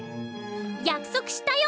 約束したよ。